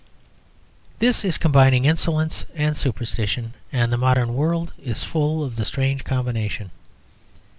This is combining insolence and superstition; and the modern world is full of the strange combination.